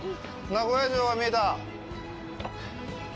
名古屋城が見えた。